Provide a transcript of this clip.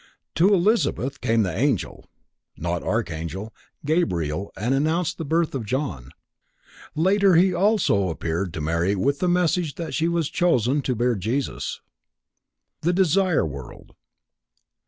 To Elizabeth came the angel (not archangel) Gabriel and announced the birth of John, later he appeared also to Mary with the message that she was chosen to bear Jesus. _The Desire World.